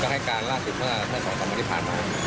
ก็ใช้การลาสุทธิฟเมื่อทั้ง๒๓วานที่ผ่านมา